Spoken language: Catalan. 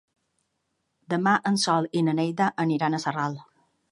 Demà en Sol i na Neida aniran a Sarral.